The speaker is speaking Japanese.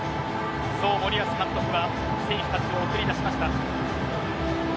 そう森保監督が選手たちを送り出しました。